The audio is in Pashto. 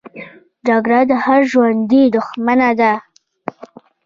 جګړه د هر ژوندي دښمنه ده